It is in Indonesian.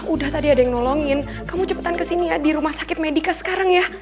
udah tadi ada yang nolongin kamu cepetan kesini ya di rumah sakit medica sekarang ya